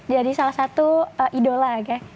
jadi salah satu idola